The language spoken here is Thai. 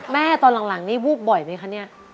ตอนหลังนี่วูบบ่อยไหมคะเนี่ย